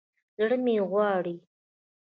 زړه مې غواړي